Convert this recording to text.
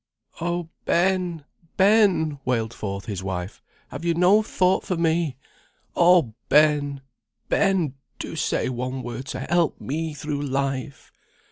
"Oh, Ben! Ben!" wailed forth his wife, "have you no thought for me? Oh, Ben! Ben! do say one word to help me through life."